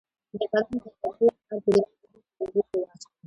د بدن د بد بوی لپاره د لیمو اوبه په اوبو کې واچوئ